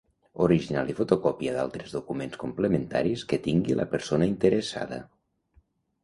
Original i fotocòpia d'altres documents complementaris que tingui la persona interessada.